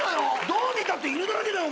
どう見たって犬だらけだよ！